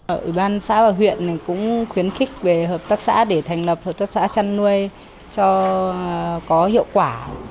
ở ủy ban xã và huyện cũng khuyến khích về hợp tác xã để thành lập hợp tác xã chăn nuôi có hiệu quả